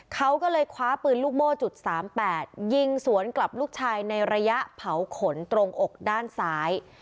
เขาก็เลยคว้าปืนลูกโม่จุด๓๘ยิงสวนกลับลูกชายในระยะเผาขนตรงอกด้านซ้าย